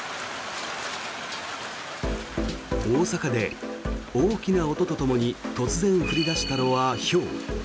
大阪で大きな音とともに突然降り出したのはひょう。